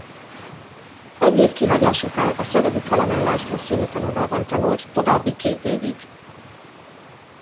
Egy év kihagyás után a szegedi Kelemen László Színitanodában tanult további két évig.